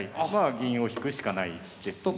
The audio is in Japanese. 銀を引くしかないですね。